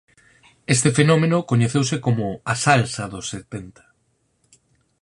Este fenómeno coñeceuse como "A Salsa dos Setenta".